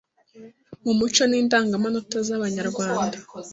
mu muco n’indangamanota z’Abanyarwanda